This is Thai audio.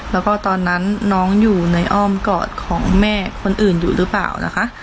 แล้วก็ตอนนั้นน้องอยู่ในอ้อมกอดของแม่คนอื่นอยู่หรือเปล่านะคะ